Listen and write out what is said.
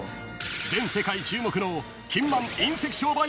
［全世界注目の］